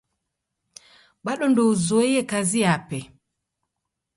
Bado ndouzoye kazi yape.